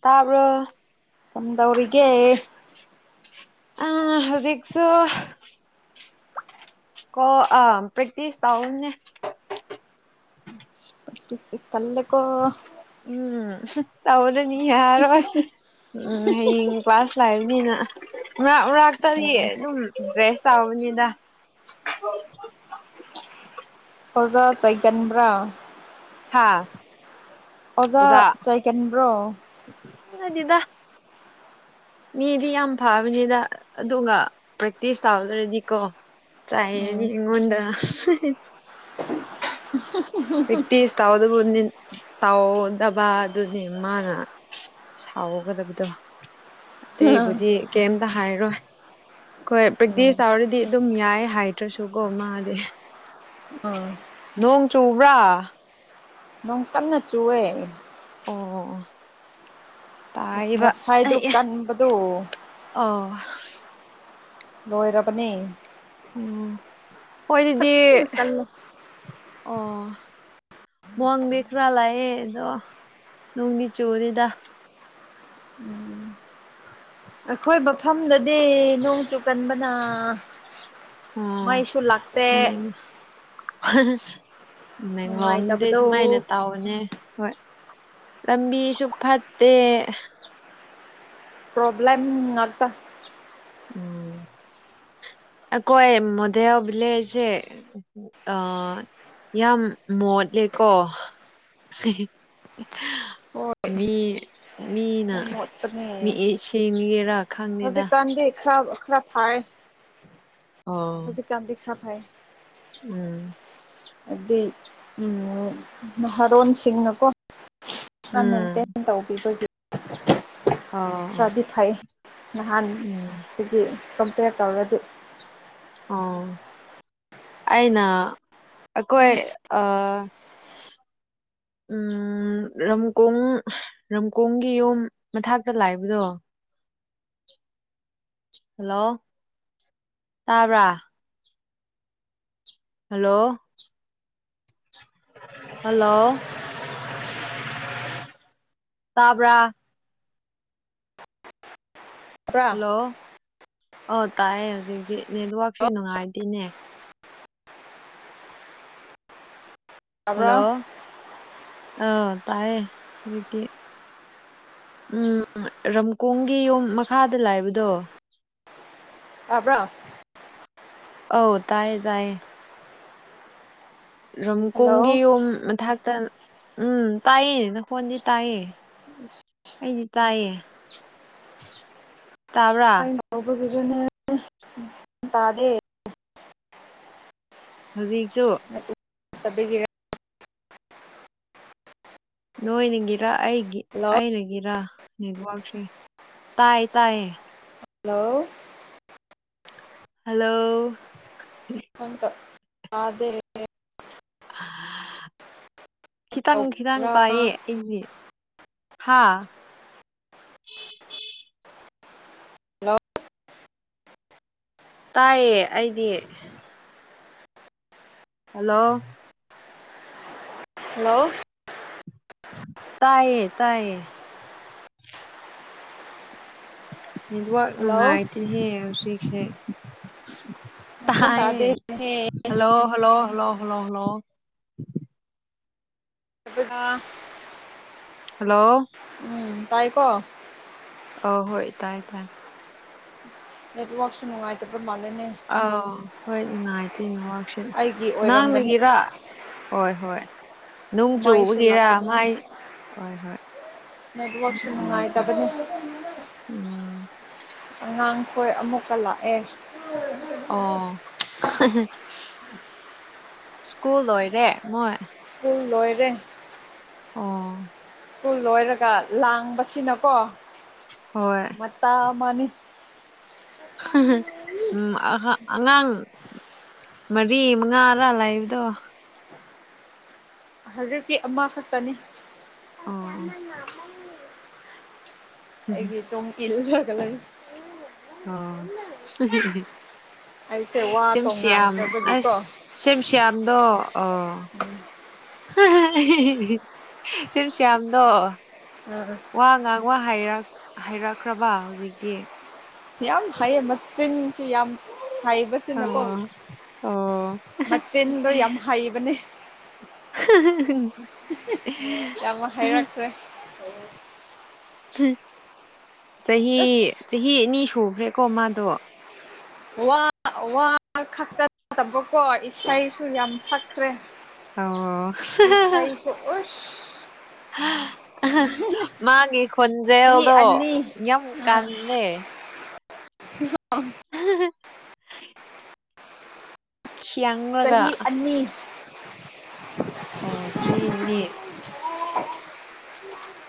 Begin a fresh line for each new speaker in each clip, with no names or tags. ꯇꯥꯕ꯭ꯔꯣ
ꯀꯝꯗꯧꯔꯤꯒꯦ
ꯑꯥ ꯍꯧꯖꯤꯛꯁꯨ ꯀꯣ ꯑ ꯄ꯭ꯔꯦꯛꯇꯤꯁ ꯇꯧꯅꯦ
ꯏꯁ ꯄ꯭ꯔꯦꯛꯇꯤꯁꯤ ꯀꯜꯂꯦꯀꯣ
ꯎꯝ ꯇꯧꯔꯅꯤ ꯌꯥꯔꯣꯏ ꯎꯝ ꯍꯌꯦꯡ ꯀ꯭ꯂꯥꯁ ꯂꯥꯛꯏꯝꯅꯤꯅ ꯃꯔꯛ ꯃꯔꯛꯇꯗꯤ
ꯑꯦ
ꯑꯗꯨꯝ ꯗ꯭ꯔꯦꯁ ꯇꯥꯎꯅꯤꯗ
ꯑꯣꯖꯥ ꯆꯩꯒꯟꯕ꯭ꯔꯥ
ꯍꯥꯥ
ꯑꯣꯖꯥ ꯆꯩꯒꯟꯕ꯭ꯔꯣ
[unintelligible] ꯃꯤꯗꯤ ꯌꯥꯝ ꯐꯕꯅꯤꯗ ꯑꯗꯨꯒ ꯄ꯭ꯔꯦꯛꯇꯤꯁ ꯇꯧꯗ꯭ꯔꯗꯤꯀꯣ
ꯎꯝ
ꯆꯩꯔꯗꯤ ꯑꯩꯉꯣꯟꯗ
[unintelligible]
ꯄ꯭ꯔꯦꯛꯇꯤꯁ ꯇꯧꯗꯕꯨꯅꯤ ꯇꯧꯗꯕꯥꯗꯨꯅꯤ ꯃꯥꯅ ꯁꯥꯎꯒꯗꯕꯗꯣ ꯑꯇꯩꯕꯨꯗꯤ ꯀꯩꯝꯗ ꯍꯥꯏꯔꯣꯏ ꯈꯣꯏ
ꯎꯝ
ꯄ꯭ꯔꯦꯛꯇꯤꯁ ꯇꯧꯔꯗꯤ ꯑꯗꯨꯝ ꯌꯥꯏ ꯍꯥꯏꯗ꯭ꯔꯁꯨꯀꯣ ꯃꯥꯗꯤ
ꯑ
ꯅꯣꯡ ꯆꯨꯕ꯭ꯔꯥ
ꯅꯣꯡ ꯀꯟꯅ ꯆꯨꯋꯦ
ꯑꯣ
ꯑꯁ
ꯇꯥꯏꯕ
ꯉꯁꯥꯏꯗꯣ
ꯑꯩ
ꯀꯟꯕꯗꯣ
ꯑꯣ
ꯔꯣꯏꯔꯕꯅꯦ
ꯎꯝ ꯍꯣꯏꯑꯗꯨꯗꯤ
ꯐꯖꯅ ꯀꯜꯂꯦ
ꯑꯣ ꯃꯣꯡꯗꯤ ꯈꯔꯥ ꯂꯥꯑꯦ ꯑꯗꯣ ꯅꯣꯡꯗꯤ ꯆꯨꯅꯤꯗ
ꯈꯣꯏ ꯃꯐꯝꯗꯗꯤ ꯅꯣꯡ ꯆꯨꯀꯟꯕꯅ
ꯑꯣ
ꯃꯩꯁꯨ ꯂꯥꯛꯇꯦ
ꯃꯦꯡ ꯃꯦꯡꯂꯣꯡꯗꯤ
ꯅꯨꯡꯉꯥꯏꯇꯕꯗꯣ
ꯁꯨꯃꯥꯏꯅ ꯇꯧ ꯑꯅꯦ ꯍꯣꯏ ꯂꯝꯕꯤꯁꯨ ꯐꯠꯇꯦ
ꯄ꯭ꯔꯣꯕ꯭ꯂꯦꯝ ꯉꯥꯛꯇ
ꯎꯝ ꯑꯀꯣꯏ ꯃꯣꯗꯦꯜ ꯕꯤꯂꯦꯖꯁꯦ ꯎ ꯑꯥ ꯌꯥꯝ ꯃꯣꯠꯂꯦꯀꯣ
ꯍꯣꯏ
ꯃꯤ ꯃꯤꯅ
ꯌꯥꯝ ꯃꯣꯠꯄꯅꯦ
ꯃꯤꯏꯁꯤ ꯃꯤꯔ
ꯍꯧꯖꯤꯛꯀꯥꯟꯗꯤ ꯈꯔ ꯈꯔ ꯐꯌꯦ
ꯑꯣ
ꯀꯥꯟꯗꯤ ꯈꯔ ꯐꯩ
ꯎꯝ
ꯑꯗꯨꯏ ꯎꯝ ꯅꯍꯥꯔꯣꯟꯁꯤꯡꯅꯀꯣꯇꯦ
ꯎꯝ
[unintelligible] ꯇꯧꯕꯤꯕꯒꯤ
ꯑꯣ
ꯈꯔꯗꯤ ꯐꯩ
ꯎꯝ
ꯅꯍꯥꯟꯗꯒꯤ ꯀꯝꯄꯦꯌꯔ ꯇꯧꯔꯗꯤ
ꯑꯥ ꯑꯩꯅ ꯑꯩꯈꯣꯏ ꯑ
[inaudible]
ꯎꯝ ꯔꯝꯀꯣꯡ ꯔꯝꯀꯣꯡꯒꯤ ꯌꯨꯝ ꯃꯊꯛꯇ ꯂꯩꯕꯗꯣ
[inaudible]
ꯍꯜꯂꯣ ꯇꯥꯕ꯭ꯔ ꯍꯜꯂꯣ ꯍꯜꯂꯣ ꯇꯥꯕ꯭ꯔꯥ
ꯇꯥꯕ꯭ꯔꯥ
ꯍꯜꯂꯣ ꯑꯣ ꯇꯥꯏꯑꯦ ꯍꯧꯖꯤꯛꯇꯤ ꯅꯦꯠꯋꯥꯔꯛꯁꯦ ꯅꯨꯡꯉꯥꯏꯇꯦꯅꯦ
ꯇꯥꯕ꯭ꯔꯥ
ꯍꯜꯂꯣ ꯑ ꯇꯥꯏꯌꯦ ꯍꯨꯖꯤꯛꯇꯤ ꯎꯝ ꯔꯝꯀꯣꯡꯒꯤ ꯌꯨꯝ ꯃꯈꯥꯗ ꯂꯩꯕꯗꯣ
ꯇꯥꯕ꯭ꯔꯣ
ꯑꯧ ꯇꯥꯏꯌꯦ ꯇꯥꯏꯌꯦ
ꯍꯜꯂꯣ
ꯔꯝꯀꯣꯡꯒꯤ ꯌꯨꯝ ꯃꯊꯛꯇ ꯎꯝ ꯇꯥꯏꯌꯦ ꯅꯈꯣꯟꯗꯤ ꯇꯥꯏꯌꯦ ꯑꯩꯗꯤ ꯇꯥꯏꯌꯦ
[unintelligible]
ꯇꯥꯕꯔꯥ
[unintelligible] ꯇꯥꯗꯦ
ꯍꯧꯖꯤꯛꯁꯨ
ꯑꯗꯨꯒꯤꯔ
ꯅꯣꯏꯅꯤꯒꯤꯔ ꯑꯩꯒꯤ
ꯍꯜꯂꯣ
ꯀꯔꯤꯒꯤꯔ ꯅꯦꯠꯋꯥꯔꯛꯁꯦ ꯇꯥꯏꯌꯦ ꯇꯥꯏꯌꯦ
ꯍꯜꯂꯣ
ꯍꯜꯂꯣ
ꯑꯝꯇ ꯇꯥꯗꯦ
ꯈꯤꯇꯪ ꯈꯤꯇꯪ
ꯇꯧꯕ꯭ꯔꯥ
ꯄꯥꯏꯌꯦ
ꯍꯜꯂꯣ
ꯑꯩꯗꯤ ꯍꯥꯥ ꯇꯥꯏꯌꯦ ꯑꯩꯗꯤ ꯍꯜꯂꯣ
ꯍꯜꯂꯣ
ꯇꯥꯏꯌꯦ ꯇꯥꯏꯌꯦ ꯅꯦꯠꯋꯥꯔꯛ
ꯍꯜꯂꯣ
ꯅꯨꯡꯉꯥꯏꯇꯦꯍꯦ ꯍꯧꯖꯤꯛꯁꯦ
ꯅꯈꯣꯟ
ꯇꯥꯏꯌꯦ
ꯇꯥꯗꯦꯅꯦ
hello hello hello hello hello
ꯑꯗꯨꯅ
ꯍꯜꯂꯣ
ꯎꯝ ꯇꯥꯏ ꯀꯣ
ꯑ ꯍꯣꯏ ꯇꯥꯏ ꯇꯥꯏ
ꯅꯦꯠꯋꯥꯔꯛꯁꯨ ꯅꯨꯡꯉꯥꯏꯇꯕ ꯃꯥꯜꯂꯦꯅꯦ
ꯑꯥꯎ ꯍꯣꯏ ꯅꯨꯡꯉꯥꯏꯇꯦ ꯅꯦꯠꯋꯥꯔꯛꯁꯦ
ꯑꯩꯒꯤ ꯑꯣꯏꯔꯝꯒꯅꯤ
ꯅꯥꯡꯅꯒꯤꯔ ꯍꯣꯏ ꯍꯣꯏ ꯅꯣꯡ
ꯃꯃꯥꯏꯁꯨ
ꯆꯨꯕꯒꯤꯔ ꯃꯥꯏ ꯍꯣꯏ ꯍꯣꯏ
ꯅꯦꯠꯋꯥꯔꯛꯁꯨ ꯅꯨꯡꯉꯥꯏ
ꯑꯣꯏꯈ꯭ꯔꯦ
ꯇꯕꯅꯤ
ꯎꯝ
[unintelligible] ꯑꯉꯥꯡꯈꯣꯏ ꯑꯃꯨꯛꯀ ꯂꯥꯛꯑꯦ
ꯑꯣ [unintelligible] ꯁ꯭ꯀꯨꯜ ꯂ‌ꯣꯏꯔꯦ ꯃꯣꯏ
ꯁ꯭ꯀꯨꯜ ꯂꯣꯏꯔꯦ
ꯑꯣ
ꯁ꯭ꯀꯨꯜ ꯂꯣꯏꯔꯒ ꯂꯥꯡꯕꯁꯤꯅꯀꯣ
ꯍꯣꯏ
ꯃꯇꯥ ꯃꯥꯅꯤ
ꯎꯝ ꯑꯍꯥ ꯑꯉꯥꯡ ꯃꯔꯤ ꯃꯉꯥꯔꯥ ꯂꯩꯥꯕꯗꯣ
ꯍꯧꯖꯤꯛꯇꯤ ꯑꯃ ꯈꯠꯇꯅꯦ
ꯑꯣ
ꯑꯩꯒꯤ ꯇꯨꯡ ꯏꯜꯂꯒ ꯂꯩ
ꯑꯣ
ꯑꯩꯁꯦ ꯋꯥ
ꯁꯤꯝꯁꯤ ꯌꯥꯝ ꯑꯁ
ꯇꯣꯡꯉꯥꯟꯈ꯭ꯔꯕꯒꯤꯀꯣ
ꯁꯦꯝ ꯁ꯭ꯋꯥꯝꯗꯣ ꯑꯣ ꯁꯨꯝ ꯁ꯭ꯌꯥꯝꯗꯣ
[inaudible]
ꯋꯥ ꯉꯥꯡ ꯋꯥ ꯍꯥꯏꯔꯛ ꯍꯥꯏꯔꯛꯈ꯭ꯔꯥꯕ ꯍꯧꯖꯤꯛꯇꯤ
ꯌꯥꯝ ꯍꯩꯌꯦ ꯃꯆꯤꯟꯁꯤ ꯌꯥꯝ ꯍꯩꯕ ꯁꯤꯅꯀꯣ
ꯑꯣ ꯑꯣ
ꯃꯆꯤꯟꯗꯣ ꯌꯥꯝ ꯍꯩꯕꯅꯦ
ꯆꯍꯤ
ꯌꯥꯝ ꯍꯩꯔꯛꯈ꯭ꯔꯦ
ꯆꯍꯤ
ꯑꯁ
ꯆꯍꯤ ꯑꯅꯤ ꯁꯨꯈ꯭ꯔꯦꯀꯣ ꯃꯥꯗꯣ
ꯋꯥ ꯋꯥ ꯈꯛꯇ ꯅꯠꯇꯕꯀꯣ ꯏꯁꯩꯁꯨ ꯌꯥꯝ ꯁꯛꯈ꯭ꯔꯦ
ꯑꯧ
ꯎꯁ ꯏꯁꯩꯁꯨ
ꯃꯥꯒꯤ
ꯆꯍꯤ
ꯈꯣꯟꯖꯦꯜꯗꯣ
ꯑꯅꯤ
ꯌꯥꯝ
ꯎꯝ
ꯀꯜꯂꯦ
[inaudible]
ꯈ‌ꯦꯡꯉꯒ
ꯆꯍꯤ ꯑꯅꯤ
ꯑꯣ ꯑꯗꯨꯗꯤꯅꯤ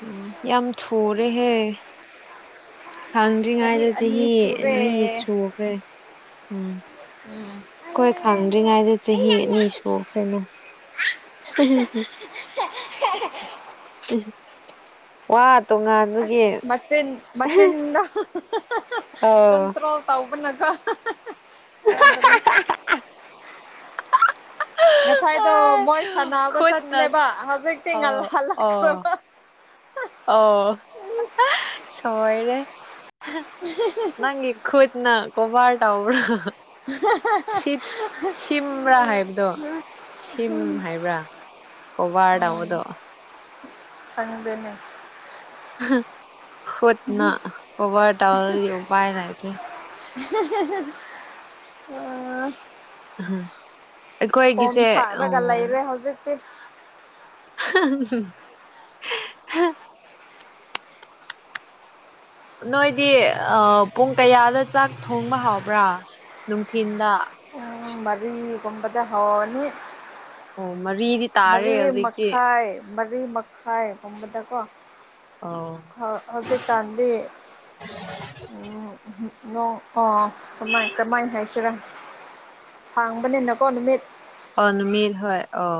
ꯑꯣ ꯌꯥꯝ ꯊꯨꯔ‌ꯦ ꯍꯦ ꯈꯥꯡꯗ꯭ꯔꯤꯉꯩꯗ ꯆꯍꯤ
ꯑꯅꯤ
ꯑꯅꯤ
ꯁꯨꯔꯦ
ꯁꯨꯈ꯭ꯔꯦ ꯎꯝ
ꯎꯝ
ꯑꯩꯈꯣꯏ ꯈꯥꯡꯗ꯭ꯔꯤꯉꯩꯗ ꯆꯍꯤ ꯑꯅꯤ ꯁꯨꯈ꯭ꯔ‌ꯦꯅ [unintelligible]
[unintelligible]
ꯋꯥ ꯇꯣꯉꯥꯟ
ꯑꯁ ꯃꯆꯤꯟ ꯃꯆꯤꯟꯅ
ꯑꯥ
ꯀꯟꯇ꯭ꯔꯣꯜ ꯇꯧꯕꯅꯀ‌ꯣ ꯌꯥꯗꯔ‌ꯦ ꯉꯁꯥꯏꯗꯣ ꯃꯣꯏ ꯁꯥꯟꯅꯕ
ꯈꯨꯠꯅ
ꯆꯠꯄꯅꯦꯕ ꯍꯧꯖꯤꯛꯇꯤ ꯉꯜ
ꯑꯣ ꯑꯣ
ꯍꯜꯂꯛꯈ꯭ꯔꯕ
ꯑꯣ
ꯏꯁ
ꯁ‌ꯣꯏꯔ‌ꯦ ꯅꯪꯒꯤ ꯈꯨꯠꯅ ꯀꯣꯕ꯭ꯔ ꯇꯧꯕ꯭ꯔꯥ ꯁꯤꯞ ꯁꯤꯝꯕ꯭ꯔꯥ ꯍꯥꯏꯕꯗꯣ ꯁꯤꯝ ꯍꯥꯏꯕ꯭ꯔꯥ ꯀꯣꯕ꯭ꯔ ꯇꯧꯕꯗꯣ
ꯈꯪꯗ‌ꯦꯅꯦ
ꯈꯨꯠꯅ ꯀꯣꯕ꯭ꯔ ꯇꯧꯔꯗꯤ ꯑꯃꯨꯛ ꯄꯥꯏ ꯂꯥꯛꯇ‌ꯣꯏꯅ‌ꯦ
ꯑꯥ ꯐꯣꯝ
ꯑꯩꯈꯣꯏꯒꯤꯁꯦ ꯑ
ꯊꯥꯛꯂꯒ ꯂꯩꯔꯦ [inaudible]
[unintelligible] ꯅꯣꯏꯗꯤ ꯑꯥ ꯄꯨꯡ ꯀꯌꯥꯗ ꯆꯥꯛ ꯊꯣꯡꯕ ꯍꯥꯎꯕ꯭ꯔꯥ ꯅꯨꯡꯊꯤꯟꯗ
ꯄꯨꯡ ꯃꯔꯤꯒꯨꯝꯕꯗ ꯍꯧꯔꯅꯤ
ꯑꯣ ꯃꯔꯤꯗꯤ ꯇꯥꯔꯦ
ꯃꯔꯤ
ꯍꯧꯖꯤꯛꯇꯤ
ꯃꯈꯥꯏ ꯃꯔꯤ ꯃꯈꯥꯏꯒꯨꯝꯕꯗꯀꯣ
ꯑꯧ
ꯍꯧ ꯍꯧꯖꯤꯛ ꯀꯥꯟꯗꯤ [unintelligible] ꯅꯣꯡ ꯑꯥ ꯀꯃꯥꯏ ꯀꯃꯥꯏꯟ ꯍꯥꯏꯁꯤꯔ ꯁꯥꯡꯕꯅꯤꯅꯀꯣ ꯅꯨꯃꯤꯠ
ꯑꯣ ꯅꯨꯃꯤꯠ ꯍꯣꯏ ꯑꯣ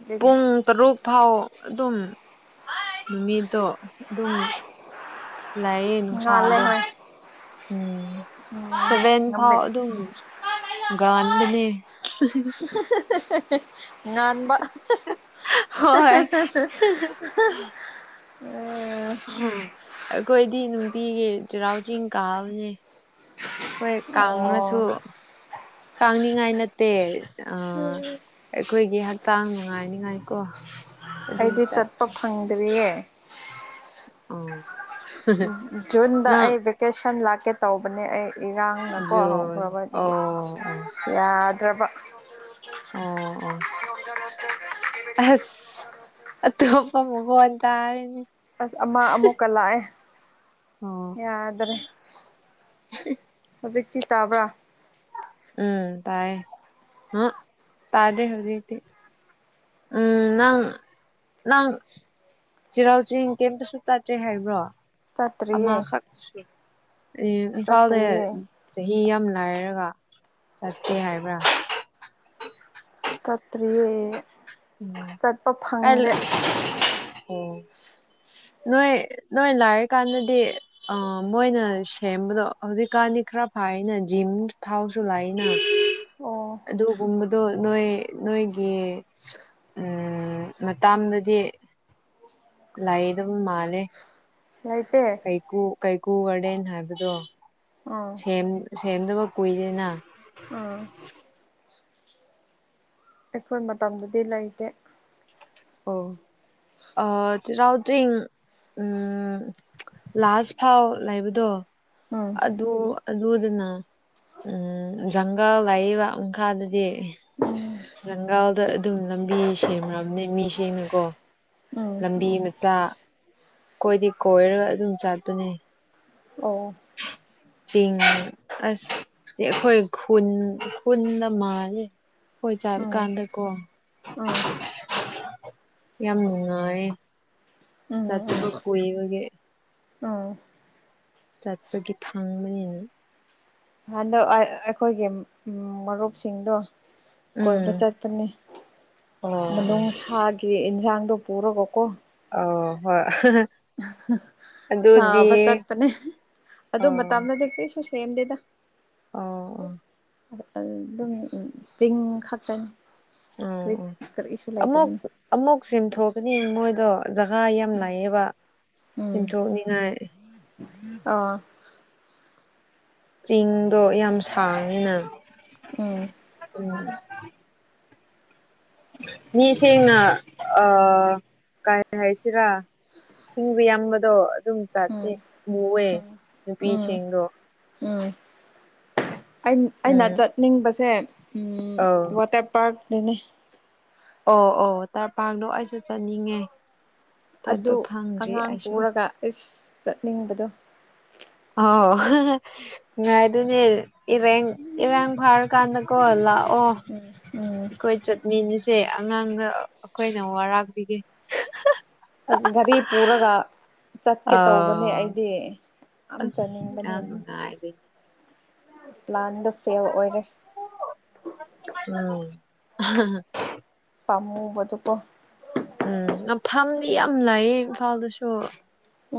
ꯑꯗꯨꯒꯤꯅꯤ
ꯄꯨꯡ ꯇꯔꯨꯛ ꯐꯥꯎ ꯑꯗꯨꯝ [unintelligible] ꯅꯨꯃꯤꯠꯇꯣ ꯑꯗꯨꯝ ꯂꯩꯌꯦ
ꯉꯥꯜꯂꯦ
ꯅꯨꯡꯁꯥꯗꯣ
ꯍꯣꯏ
ꯎꯝ
ꯎꯝ
ꯁꯚꯦꯟ ꯐꯥꯎ
ꯅꯨꯃꯤꯠ
ꯑꯗꯨꯝ [unintelligible] ꯒꯥꯟꯕꯅꯦ
[unintelligible] ꯉꯥꯟꯕ [unintelligible]
ꯍꯣꯏ
[unintelligible]
ꯑꯍꯝ ꯑꯈꯣꯏꯗꯤ ꯅꯨꯡꯇꯤꯒꯤ ꯆꯩꯔꯥꯎ ꯆꯤꯡ ꯀꯥꯕꯅꯦ ꯍꯣꯏ
ꯑꯣ
ꯀꯥꯡꯔꯁꯨ ꯇꯥꯡꯅꯤꯡꯉꯥꯏ ꯅꯠꯇꯦ ꯑ ꯑꯩꯈꯣꯏꯒꯤ ꯍꯛꯆꯥꯡ ꯅꯨꯡꯉꯥꯏꯅꯤꯉꯥꯏ ꯀꯣ
ꯑꯩꯗꯤ ꯆꯠꯄ ꯐꯪꯗ꯭ꯔꯤꯌꯦ
ꯑꯣ
ꯎꯝ ꯖꯨꯟꯗ ꯑꯩ ꯚꯦꯀꯦꯁꯟ ꯂꯥꯛꯀꯦ ꯇꯧꯕꯅꯦ ꯑꯩ ꯏꯔꯥꯡ ꯅꯀꯣ
ꯖꯨꯟ
ꯍꯧꯈ꯭ꯔꯕ ꯑꯗꯨꯒꯤ
ꯑꯣ ꯑꯣ
ꯌꯥꯗ꯭ꯔꯕ
ꯑꯣ ꯑꯣ
[unintelligible]
ꯑꯁ [unintelligible] ꯑꯇꯣꯞꯄ ꯃꯈꯣꯟ ꯇꯥꯔꯦꯅꯦ
ꯑꯁ ꯑꯃ ꯑꯃꯨꯛꯀ ꯂꯥꯛꯑꯦ
ꯑꯣ
ꯌꯥꯗ꯭ꯔꯦ [unintelligible] ꯍꯧꯖꯤꯛꯇꯤ ꯇꯥꯕ꯭ꯔꯥ
ꯎꯝ ꯇꯥꯏꯌꯦ [unintelligible] ꯇꯥꯗ꯭ꯔꯦ ꯍꯧꯖꯤꯛꯇꯤ ꯎꯝ ꯅꯪ ꯅꯪ ꯆꯤꯔꯥꯎ ꯆꯤꯡ ꯀꯩꯝꯇꯁꯨ ꯆꯥꯠꯇ꯭ꯔꯦ ꯍꯥꯏꯕ꯭ꯔꯣ
ꯆꯠꯇ꯭ꯔꯤꯌꯦ
ꯑꯃꯥꯈꯛꯁꯨ [unintelligible] ꯏꯝꯐꯥꯜꯗ
ꯆꯠꯇ꯭ꯔꯤꯌꯦ
ꯆꯍꯤ ꯌꯥꯝ ꯂꯥꯏꯔꯒ ꯆꯠꯇꯦ ꯍꯥꯏꯕ꯭ꯔꯥ
ꯆꯠꯇ꯭ꯔꯤꯌꯦ
ꯎꯝ
ꯆꯠꯄ
ꯀꯥꯏ
ꯐꯪꯗꯦ [unintelligible]
ꯅꯣꯏ ꯅꯣꯏ ꯂꯥꯏꯔꯤ ꯀꯥꯟꯗꯗꯤ ꯑ ꯃꯣꯏꯅ ꯁꯦꯝꯕꯗꯣ ꯍꯧꯖꯤꯛꯀꯥꯟꯗꯤ ꯈ꯭ꯔ ꯐꯥꯏꯅ ꯖꯤꯝ ꯐꯥꯎꯁꯨ ꯂꯩ ꯅ
ꯑꯣ
[unintelligible] ꯑꯗꯨꯒꯨꯝꯕꯗꯣ ꯅꯣꯏ ꯅꯣꯏꯒꯤ
[unintelligible]
ꯎꯝ ꯃꯇꯥꯝꯗꯗꯤ ꯂꯩꯏꯗꯕ ꯃꯥꯜꯂꯦ
ꯂꯩꯇꯦ
ꯀꯩꯀꯨ ꯀꯩꯀꯨ ꯒꯥꯔꯗꯦꯟ ꯍꯥꯏꯕꯗꯣ
ꯎꯝ
ꯁꯦꯝ ꯁꯦꯝꯗꯕ ꯀꯨꯏꯔꯦꯅ
ꯑꯥ ꯑꯩꯈꯣꯏ ꯃꯇꯝꯗꯗꯤ ꯂꯩꯇꯦ
ꯑꯣ ꯑꯥ ꯆꯔꯥꯎ ꯆꯤꯡ ꯎꯝ ꯂꯥꯁ ꯐꯥꯎ ꯂꯩꯕꯗꯣ
ꯎꯝ
ꯑꯗꯨ ꯑꯗꯨꯗꯅ ꯎꯝ ꯖꯪꯒꯜ ꯂꯩꯑꯦꯕ ꯃꯈꯥꯗꯗꯤ
ꯎꯝ
ꯖꯪꯒꯜꯗ ꯑꯗꯨꯝ ꯂꯝꯕꯤ ꯁꯦꯝꯔꯝꯅꯦ ꯃꯤꯁꯤꯡꯅꯀꯣ
ꯎꯝ
ꯂꯝꯕꯤ ꯃꯆꯥ ꯀꯣꯏꯗꯤ ꯀꯣꯏꯔꯒ ꯑꯗꯨꯝ ꯆꯥꯠꯄꯅꯦ
ꯑꯣ
ꯆꯦꯡꯅꯦ ꯑꯁ ꯆꯦ ꯑꯩꯈꯣꯏ ꯈꯨꯟ ꯈꯨꯟꯗ ꯃꯥꯜꯂꯦ ꯍꯣꯏ ꯆꯥꯕ
ꯎꯝ
ꯀꯥꯟꯗꯀꯣ
ꯎꯝ
ꯌꯥꯝꯅ ꯅꯨꯡꯉꯥꯏꯌꯦ
ꯎꯝ
ꯆꯠꯄꯗꯣ ꯀꯨꯏꯕꯒꯤ
ꯑꯣ
ꯆꯠꯄꯒꯤ ꯊꯥꯡꯕꯅꯤꯅꯦ
ꯍꯟꯗꯛ ꯑꯥ ꯑꯩꯈꯣꯏꯒꯤ ꯃꯔꯨꯞꯁꯤꯡꯗꯣ ꯀꯣꯏꯕ
ꯎꯝ
ꯆꯠꯄꯅꯦ
ꯑꯣ
ꯃꯅꯨꯡ ꯁꯥꯥꯒꯤ ꯏꯟꯖꯥꯡꯗꯣ ꯄꯨꯔꯒꯀꯣ
ꯑꯣ ꯍꯣꯏ ꯑꯗꯨꯗꯤ
ꯆꯥꯕ ꯆꯠꯄꯅꯦ ꯑꯗꯨ
ꯑꯣ
ꯃꯇꯝꯗꯗꯤ ꯀꯔꯤꯁꯨ ꯁꯦꯝꯗꯦꯗ
ꯑꯣ ꯑꯣ
ꯑꯗꯨꯝ ꯆꯤꯡ ꯈꯛꯇꯅꯤ
ꯑꯣ ꯑꯣ
ꯀꯔꯤꯛ ꯀꯔꯤꯁꯨ
ꯑꯃꯨꯛ
ꯂꯩꯇꯕꯅꯤ
ꯑꯃꯨꯛ ꯆꯤꯡꯊꯣꯛꯀꯅꯤ ꯃꯣꯏꯗꯣ ꯖꯒꯥ ꯌꯥꯝ ꯂꯩꯌꯦꯕ
ꯎꯝ
ꯆꯤꯡꯊꯣꯛꯅꯤꯡꯉꯥꯏ
ꯑꯥ
ꯆꯤꯡꯗꯣ ꯌꯥꯝ ꯁꯥꯡꯉꯤꯅ
ꯎꯝ
ꯎꯝ ꯃꯤ ꯁꯦꯡꯅ ꯑ ꯀꯥꯔꯤ ꯍꯥꯏꯁꯤꯔꯥ ꯁꯤꯡꯗꯨ ꯌꯥꯝꯕꯗꯣ ꯑꯗꯨꯝ ꯆꯥꯠꯇꯦ
ꯎꯝ
ꯎꯋꯦ
ꯎꯝ ꯎꯝ
ꯅꯨꯄꯤꯁꯤꯡꯗꯣ
ꯎꯝ ꯑꯩꯟ ꯑꯩꯅ
ꯎꯝ
ꯆꯠꯅꯤꯡꯕꯁꯦ ꯎꯝ
ꯑꯧ
ꯋꯥꯇꯔ ꯄꯥꯔꯛ ꯇꯨꯅꯦ
ꯑꯣ ꯑꯣ ꯇꯔꯄꯗꯣ ꯑꯩꯁꯨ ꯆꯠꯅꯤꯡꯉꯦ ꯆꯠꯄ
ꯑꯗꯨ
ꯐꯪꯗ꯭ꯔꯤ
ꯑꯉꯥꯡ
ꯑꯩꯁꯨ
ꯄꯨꯔꯒ ꯏꯁ ꯆꯠꯅꯤꯡꯕꯗꯣ
ꯑꯥꯎ ꯉꯥꯏ ꯑꯗꯨꯅꯦ ꯏꯔꯦꯡ ꯏꯔꯥꯡ ꯐꯥꯔꯀꯥꯟꯗꯀꯣ ꯂꯥꯛꯑꯣ
ꯎꯝ ꯎꯝ
ꯑꯩꯈꯣꯏ ꯆꯠꯃꯤꯅꯁꯦ ꯑꯉꯥꯡꯔ ꯑꯩꯈꯣꯏꯅ ꯋꯥꯔꯥꯛꯄꯤꯒꯦ
ꯑꯁ ꯒꯔꯤ ꯄꯨꯔꯒ ꯆꯠꯀꯦ ꯇꯧꯕꯅꯦ
ꯑꯥ
ꯑꯩꯗꯤ ꯌꯥꯝ ꯆꯅꯤꯡꯕꯅꯦ ꯑꯗꯨꯝ
ꯑꯗꯤ
ꯄ꯭ꯂꯥꯟꯗꯣ ꯐꯦꯜ ꯑꯣꯏꯔꯦ
ꯎꯝ
ꯄꯥꯝꯃꯨꯕꯗꯨꯀꯣ
ꯎꯝ ꯃꯐꯝꯗꯤ ꯌꯥꯝ ꯂꯩꯌꯦ ꯏꯝꯐꯥꯜꯗꯁꯨ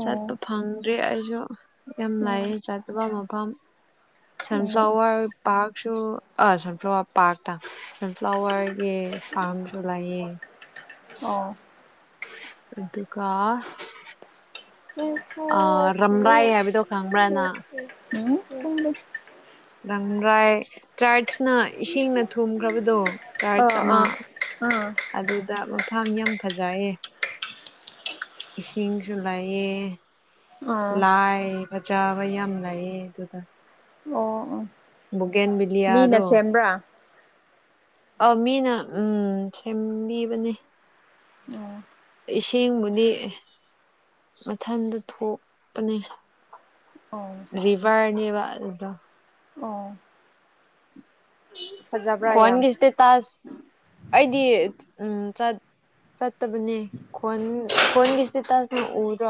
ꯎꯝ
ꯐꯪꯗ꯭ꯔꯦ ꯑꯩꯁꯨ ꯌꯥꯝ
ꯎꯝ
ꯂꯥꯏꯌꯦ ꯆꯠꯇꯕ ꯃꯐꯝ
ꯎꯝ
ꯁꯟꯐ꯭ꯂꯥꯋꯔ ꯄꯥꯔꯛꯁꯨ ꯑꯥ ꯁꯟꯐ꯭ꯂꯥꯋꯔ ꯄꯥꯔꯛꯇ ꯁꯟꯐ꯭ꯂꯥꯋꯔꯒꯤ ꯐꯥꯔꯝꯁꯨ ꯂꯩꯌꯦ
ꯑꯣ
ꯑꯗꯨꯒꯥ
ꯎꯝ ꯍꯨꯝ
ꯑꯥ ꯔꯝꯂꯥꯏ ꯍꯥꯏꯕꯗꯣ ꯈꯪꯕ꯭ꯔꯥ ꯅꯪ
ꯎꯝꯎꯝ
ꯂꯝꯪꯔꯥꯏ ꯆꯔꯆꯅ ꯏꯁꯤꯡꯅ ꯊꯨꯝꯈ꯭ꯔꯕꯗꯣ
ꯑ
ꯆꯔꯆ
ꯑꯥ ꯑꯥ
ꯑꯃ
ꯑꯥ
ꯑꯗꯨꯗ ꯃꯐꯝ ꯌꯥꯝ ꯐꯖꯩꯌꯦ ꯏꯁꯤꯡꯁꯨ ꯂꯥꯏꯑꯦ
ꯑꯥ
ꯂꯥꯏ ꯆꯥꯕ ꯌꯥꯝ ꯂꯥꯏꯑ ꯑꯗꯨꯗ
ꯑꯣ ꯑꯣ
ꯕꯨꯒꯦꯟ ꯕꯤꯂꯂꯤꯌꯥ ꯑꯗꯣ
ꯃꯤꯅ ꯁꯦꯝꯕ꯭ꯔꯥ
ꯑ ꯃꯤꯅ ꯎꯝ ꯁꯦꯝꯕꯤꯕꯅꯦ
ꯑꯣ
ꯏꯁꯤꯡꯕꯨꯗꯤ ꯃꯊꯟꯇ ꯊꯣꯛꯄꯅꯤ
ꯑꯣ
ꯔꯤꯕꯥꯅꯤꯕ ꯑꯗꯨꯗ
ꯑꯣ ꯐꯖꯕ꯭ꯔꯥ ꯌꯥꯝ
ꯈꯣꯟꯒꯤ ꯑꯦꯁꯇ꯭ꯇꯥꯁ ꯑꯩꯗꯤ ꯎꯝ ꯆꯠ ꯆꯠꯇꯕꯅꯦ ꯈꯣꯟ ꯈꯣꯟꯒꯤ ꯏꯁꯇꯦꯇꯁ ꯅꯒ ꯎꯗꯣ